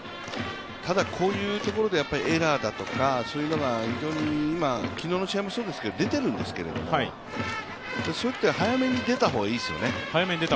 ただこういうところでエラーだとかそういうのが非常に今、昨日の試合もそうですけど出てるんですけど、早めに出た方がいいですよね。